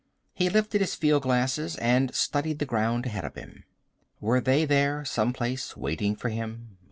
He lifted his fieldglasses and studied the ground ahead of him. Were they there, someplace, waiting for him?